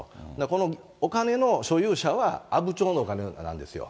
このお金の所有者は阿武町のお金なんですよ。